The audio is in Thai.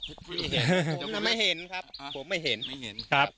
ผมไม่เห็นครับ